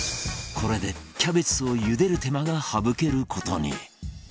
これでキャベツを茹でる手間が省ける事に